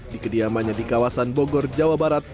dikediamannya di kawasan bogor jawa barat